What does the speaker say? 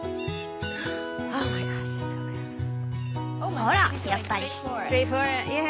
ほらやっぱり。